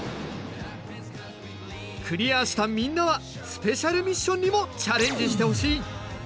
クリアしたみんなはスペシャルミッションにもチャレンジしてほしい。